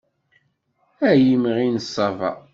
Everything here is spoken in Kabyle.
Ay imɣi n ṣṣaba.